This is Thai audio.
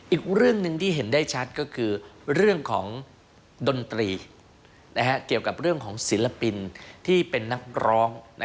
อีกเรื่องหนึ่งที่เห็นได้ชัดก็คือเรื่องของดนตรีเกี่ยวกับเรื่องของศิลปินที่เป็นนักร้อง